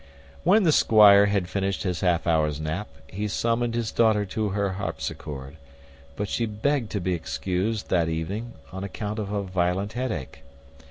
When the squire had finished his half hour's nap, he summoned his daughter to her harpsichord; but she begged to be excused that evening, on account of a violent head ache.